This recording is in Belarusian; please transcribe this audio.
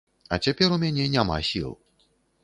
А цяпер у мяне няма сіл.